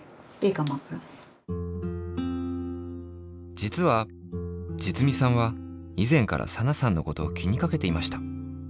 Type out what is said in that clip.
じつはじつみさんはいぜんからサナさんのことを気にかけていました。